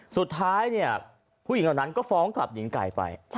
สุดท้ายนี่ผู้หญิงตรงนั้นก็ฟ้องกับหญิงไกาไป